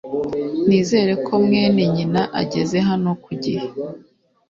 Nizere ko mwene nyina ageze hano ku gihe